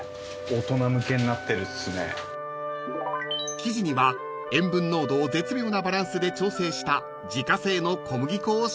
［生地には塩分濃度を絶妙なバランスで調整した自家製の小麦粉を使用］